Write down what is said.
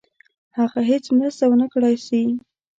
هغه هیڅ مرسته ونه کړای سي.